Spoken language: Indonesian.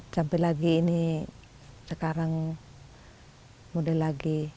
sampai lagi ini sekarang muda lagi